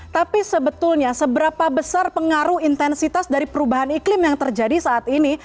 tapi sebetulnya seberapa besar pengaruh intensitas dari perubahan iklim yang terjadi saat ini